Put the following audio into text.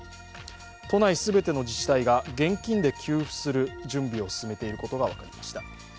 都内全ての自治体が現金で給付する準備を進めていることが分かりました。